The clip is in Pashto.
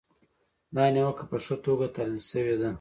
دا نیوکه په ښه توګه تحلیل شوې ده.